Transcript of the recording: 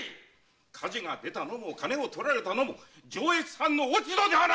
火事が出たのも金を盗られたのも上越藩の落ち度！